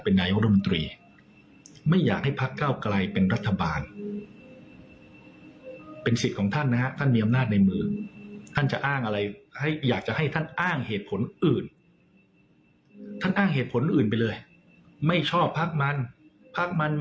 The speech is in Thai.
ในขั้นตอนการพิจารณาของรัฐสภาค่ะ